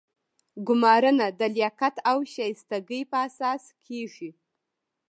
ګمارنه د لیاقت او شایستګۍ په اساس کیږي.